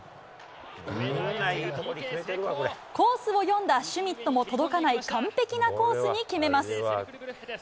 コースを読んだシュミットも届かない完璧なコースに決めます。